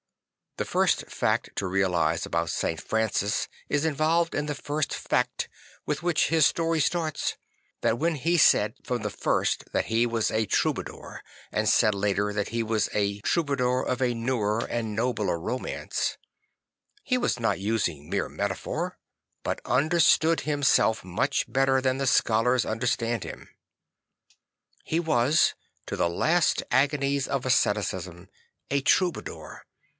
The first fact to realise about S1. Francis is involved in the first fact with which his story starts; that when he said from the first that he was a Troubadour, and said later that he was a Trouba dour of a newer and nobler romance, he was not using a mere metaphor, but understood himself much better than the scholars understand him. He was, to the last agonies of asceticism, a Troubadour.